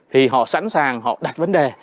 thì họ sẵn sàng họ đặt vấn đề